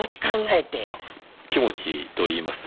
気持ちといいますと？